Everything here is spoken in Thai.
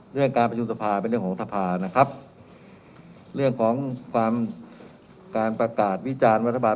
เรื่องการประชุมสภาเป็นเรื่องของสภานะครับเรื่องของความการประกาศวิจารณ์รัฐบาล